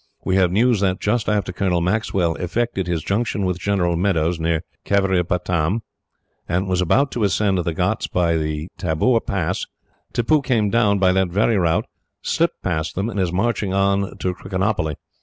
We have news that, just after Colonel Maxwell effected his junction with General Meadows, near Caveripatam, and was about to ascend the ghauts by the Tapour pass, Tippoo came down by that very route, slipped past them, and is marching on to Trichinopoly.